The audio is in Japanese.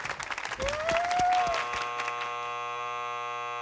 え！